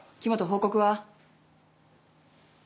報告は？